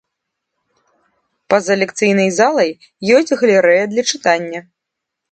Па-за лекцыйнай залай ёсць галерэя для чытання.